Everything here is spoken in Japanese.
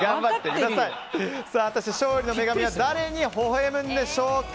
果たして、勝利の女神は誰にほほ笑むんでしょうか。